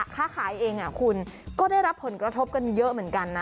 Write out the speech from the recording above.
ค้าขายเองคุณก็ได้รับผลกระทบกันเยอะเหมือนกันนะ